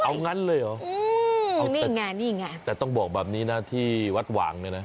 เอางั้นเลยเหรอเอานี่ไงนี่ไงแต่ต้องบอกแบบนี้นะที่วัดหว่างเนี่ยนะ